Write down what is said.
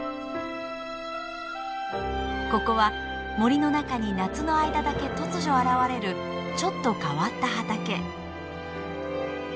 ここは森の中に夏の間だけ突如現れるちょっと変わった畑。